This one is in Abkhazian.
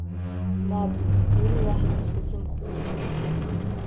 Мап, уи уаҳа сазымхәыцроуп.